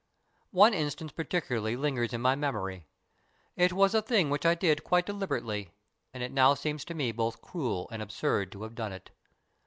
One instance particularly lingers in my memory. It was a thing which I did quite deliberately, and it now seems to me both cruel and absurd to have done it.